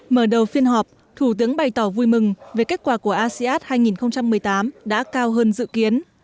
mở đầu phiên họp thủ tướng bày tỏ vui mừng về kết quả của asean hai nghìn một mươi tám đã cao hơn dự kiến